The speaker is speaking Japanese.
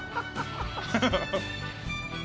ハハハハ。